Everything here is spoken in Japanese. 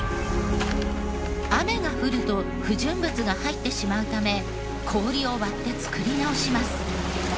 雨が降ると不純物が入ってしまうため氷を割って作り直します。